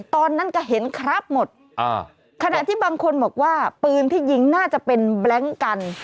ตอนนั้นก็เห็นครับหมดขณะที่บางคนบอกว่าปืนที่ยิงน่าจะเป็นแบล็งกัน